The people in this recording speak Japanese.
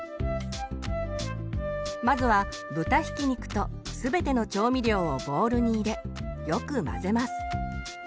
まずは豚ひき肉と全ての調味料をボウルに入れよく混ぜます。